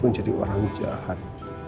menjadi orang jahat